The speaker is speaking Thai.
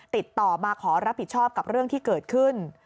ติดต่อมาขอรับผิดชอบกับเรื่องที่เกิดขึ้น